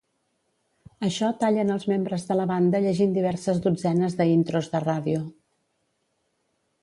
Això talla en els membres de la banda llegint diverses dotzenes de intros de ràdio.